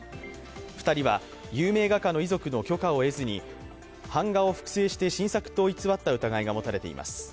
２人は有名画家の遺族の許可を得ずに版画を複製して真作と偽った疑いが持たれています。